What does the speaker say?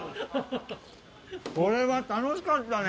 これは楽しかったね。